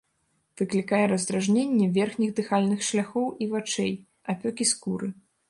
Выклікае раздражненне верхніх дыхальных шляхоў і вачэй, апёкі скуры.